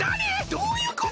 どういうこと？